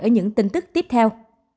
ở những tin tức tiếp theo